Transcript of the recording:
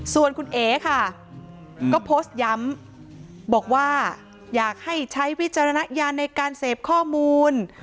ส่วนคุณเอ๋ค่ะก็โพสต์ย้ำบอกว่าอยากให้ใช้วิจารณญาณในการเสพข้อมูล